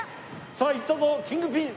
さあいったぞキングピン！